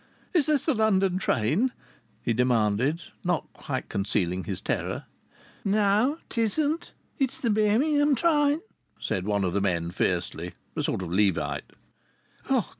"Is this the London train?" he demanded, not concealing his terror. "No, it isn't. It's the Birmingham train," said one of the men fiercely a sort of a Levite.